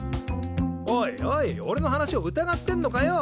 おいおいおれの話を疑ってんのかよ。